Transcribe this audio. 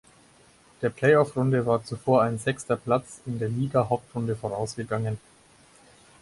Der Play-off-Runde war zuvor ein sechster Platz in der Liga-Hauptrunde vorausgegangen.